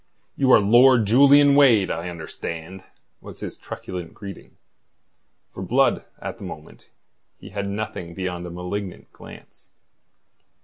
"You are Lord Julian Wade, I understand," was his truculent greeting. For Blood at the moment he had nothing beyond a malignant glance.